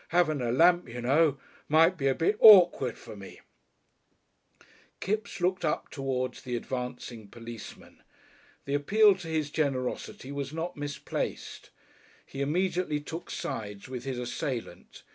Haven't a lamp, you know. Might be a bit awkward, for me." Kipps looked up towards the advancing policeman. The appeal to his generosity was not misplaced. He immediately took sides with his assailant.